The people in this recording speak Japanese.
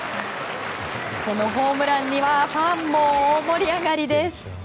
このホームランにはファンも大盛り上がりです。